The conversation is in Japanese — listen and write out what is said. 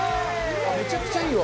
めちゃくちゃいいわ。